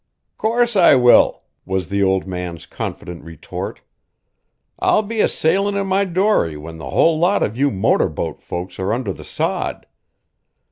"Course I will," was the old man's confident retort. "I'll be a sailin' in my dory when the whole lot of you motor boat folks are under the sod.